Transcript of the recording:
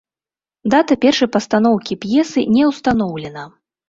Дата першай пастаноўкі п'есы не ўстаноўлена.